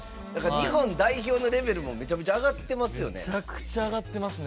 日本代表のレベルもめちゃくちゃ上がってますよね。